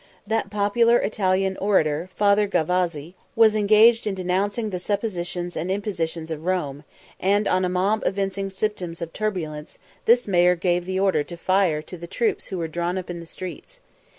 That popular Italian orator, "Father Gavazzi" was engaged in denouncing the superstitions and impositions of Rome; and on a mob evincing symptoms of turbulence, this mayor gave the order to fire to the troops who were drawn up in the streets.